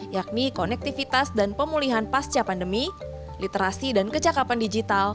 yakni konektivitas dan pemulihan pasca pandemi literasi dan kecakapan digital